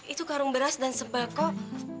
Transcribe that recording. itu karung beras dan sembal kok